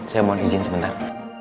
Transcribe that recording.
saya mohon izin sebentar